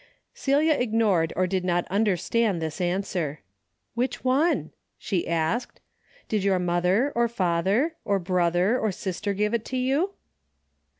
Celia ignored or did not understand this answer. " Which one ?" she asked. " Did your mother, or father, or brother, or sister give it to you